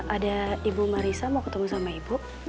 ada ibu marisa mau ketemu sama ibu